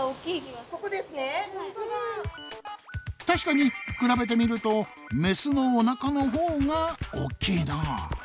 確かに比べてみるとメスのおなかのほうが大きいなぁ。